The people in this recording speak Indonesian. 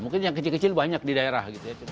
mungkin yang kecil kecil banyak di daerah gitu ya